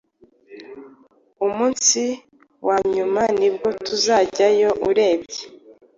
Umunsi wanyuma nibwo tuzajyayo urebye